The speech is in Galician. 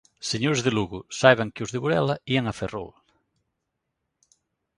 Señores de Lugo, saiban que os de Burela ían a Ferrol.